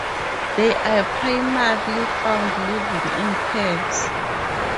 They are primarily found living in caves.